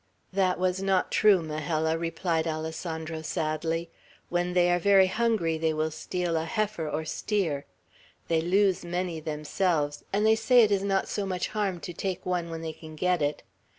"That was not true, Majella," replied Alessandro, sadly. "When they are very hungry, they will steal a heifer or steer. They lose many themselves, and they say it is not so much harm to take one when they can get it.